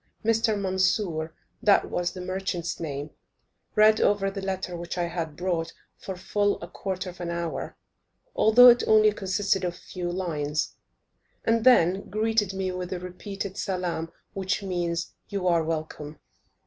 Mr. Mansur, that was the merchant's name, read over the letter which I had brought, for full a quarter of an hour, although it only consisted of a few lines, and then greeted me with a repeated salaam, which means "you are welcome."